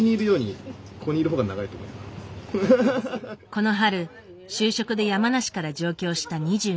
この春就職で山梨から上京した２２歳。